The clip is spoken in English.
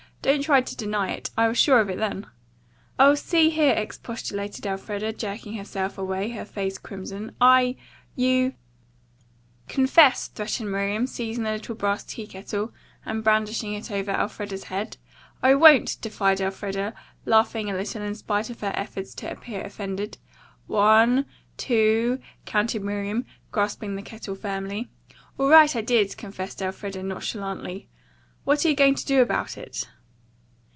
Don't try to deny it. I was sure of it then." "Oh, see here," expostulated Elfreda, jerking herself away, her face crimson. "I you " "Confess," threatened Miriam, seizing the little brass tea kettle and brandishing it over Elfreda's head. "I won't," defied Elfreda, laughing a little in spite of her efforts to appear offended. "One, two," counted Miriam, grasping the kettle firmly. "All right, I did," confessed Elfreda nonchalantly. "What are you going to do about it?"